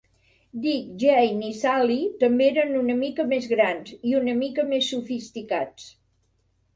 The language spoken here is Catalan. Dick, Jane i Sally també eren una mica més grans i una mica més sofisticats.